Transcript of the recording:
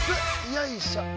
よいしょ。